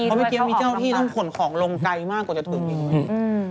เพราะเมื่อกี้มีเจ้าที่ต้องขนของลงไกลมากกว่าจะถึงอย่างนี้